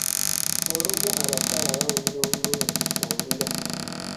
Olumu abakyala bawulira obulumi mu ndira.